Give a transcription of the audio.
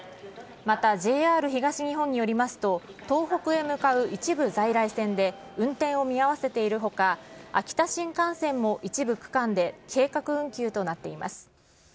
またＪＲ東日本によりますと、東北へ向かう一部在来線で運転を見合わせているほか、秋田新幹線も一部区間で計画運休となっています。